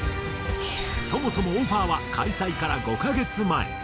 そもそもオファーは開催から５カ月前。